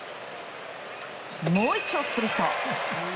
もう一丁、スプリット！